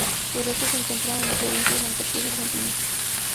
Sus restos se encontraron en la provincia de Santa Cruz Argentina.